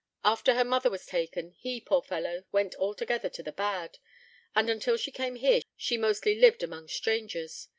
After her mother was taken, he, poor fellow, went altogether to the bad, and until she came here she mostly lived among strangers.